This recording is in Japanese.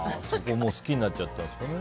好きになっちゃったんですね。